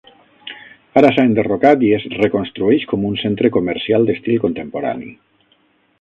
Ara s'ha enderrocat i es reconstrueix com un centre comercial d'estil contemporani.